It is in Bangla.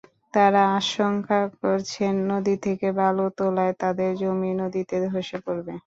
তাঁরা আশঙ্কা করছেন, নদী থেকে বালু তোলায় তাঁদের জমি নদীতে ধসে পড়বে।